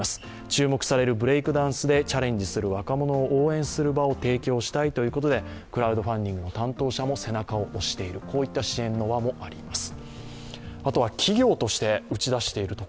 注目されるブレイクダンスにチャレンジする若者を応援する場を提供したいということでクラウドファンディングの担当者も背中を押している、こうした支援の輪もあります。